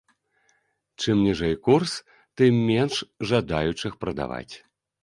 Чым ніжэй курс, тым менш жадаючых прадаваць.